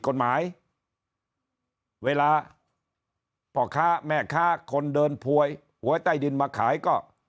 กฎหมายเวลาพ่อค้าแม่ค้าคนเดินพวยหวยใต้ดินมาขายก็